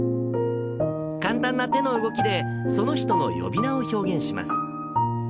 簡単な手の動きで、その人の呼び名を表現します。